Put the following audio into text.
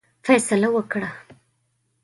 فیصله وکړه.